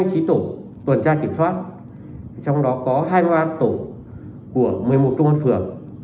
tổ chức tuần tra kiểm soát trong đó có hai loa tổ của một mươi một công an phường